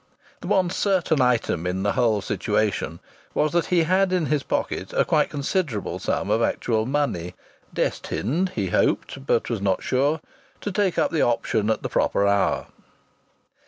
The one certain item in the whole situation was that he had in his pocket a quite considerable sum of actual money, destined he hoped, but was not sure to take up the option at the proper hour.